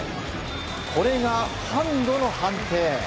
これがハンドの判定。